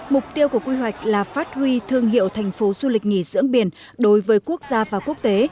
mục tiêu của quy hoạch là phát huy thương hiệu thành phố du lịch nghỉ dưỡng biển đối với quốc gia và quốc tế